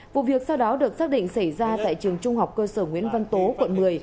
vụ việc sau đó được xác định xảy ra tại trường trung học cơ sở nguyễn văn tố quận một mươi